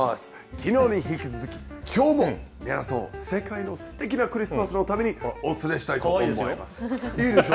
きのうに引き続き、きょうも皆さんを世界のすてきなクリスマスの旅にお連れしたいとかわいいですよ。